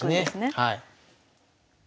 はい。